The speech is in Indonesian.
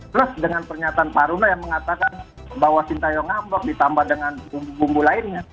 terus dengan pernyataan pak haruna yang mengatakan bahwa sinta young ngambok ditambah dengan bumbu bumbu lainnya